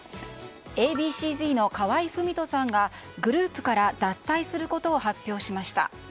Ａ．Ｂ．Ｃ‐Ｚの河合郁人さんがグループから脱退することを発表しました。